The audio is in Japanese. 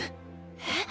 えっ！？